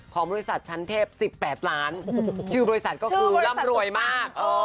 ของบริษัทชั้นเทพ๑๘ล้านชื่อบริษัทก็คือร่ำรวยมาก